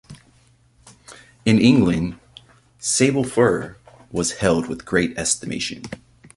In England, sable fur was held with great estimation.